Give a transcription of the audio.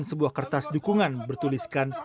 sebuah kertas dukungan bertuliskan